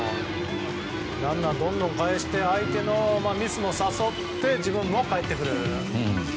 ランナーどんどんかえして相手のミスも誘って自分もかえってくる。